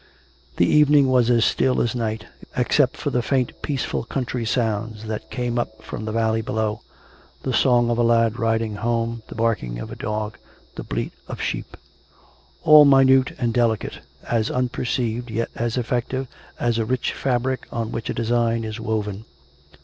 The evening was as still as night, except for the faint peaceful country sounds that came up from the valley below — the song of a lad riding home; the barking of a dog; the bleat of sheep — all minute and delicate, as unperceived, yet as effective, as a rich fab ric on which a design is woven.